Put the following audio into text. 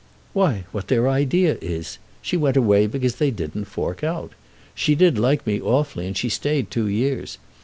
"Why what their idea is. She went away because they didn't fork out. She did like me awfully, and she stayed two years.